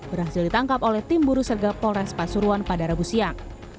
berhasil ditangkap oleh tim buru serga polres pasuruan pada rabu siang